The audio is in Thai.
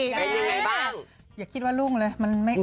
แม่งั้นยังไงบ้างอย่าคิดว่ารุ่งเลยมันไม่รุ่ง